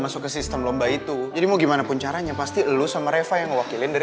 masuk ke sistem lomba itu jadi mau gimana pun caranya pasti lo sama reva yang mewakilin dari